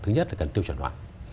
thứ nhất là cần tiêu chuẩn hóa